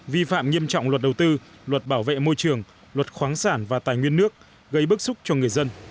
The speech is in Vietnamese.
vi phạm nghiêm trọng luật đầu tư luật bảo vệ môi trường luật khoáng sản và tài nguyên nước gây bức xúc cho người dân